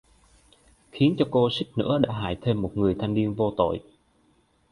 Khiến cho cô suýt nữa đã hại thêm một người thanh niên vô tội